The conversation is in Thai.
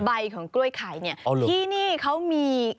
ใบของกล้วยไข่เนี่ยที่นี่เขามี